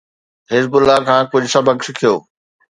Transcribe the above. حزب الله کان ڪجھ سبق سکيو.